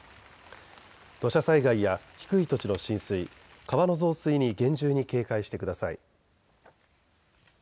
土砂災害や低い土地の浸水、川の増水に厳重に警戒してください。